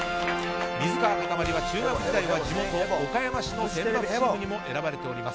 水川かたまりは中学時代は地元・岡山の選抜チームにも選ばれております。